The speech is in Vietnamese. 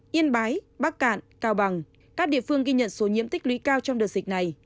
yên bái bắc cạn cao bằng các địa phương ghi nhận số nhiễm tích lũy cao trong đợt dịch này